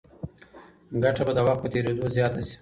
ګټه به د وخت په تېرېدو زیاته شي.